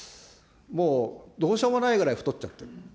もう、どうしようもないくらい太っちゃってる。